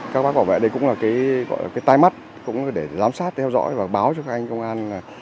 các bác bảo vệ đây cũng là cái tai mắt cũng để giám sát theo dõi và báo cho các anh công an